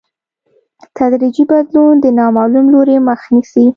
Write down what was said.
تدریجي بدلون د نامعلوم لوري مخه نیسي.